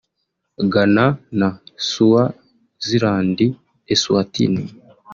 Ghana na Swaziland (eSwatini)